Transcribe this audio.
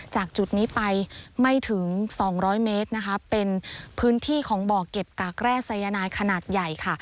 จากจุดนี้ไปไม่ถึง๒๐๐เมตรนะคะเป็นพื้นที่ของบ่อเก็บกากแร่สายนายขนาดใหญ่ค่ะ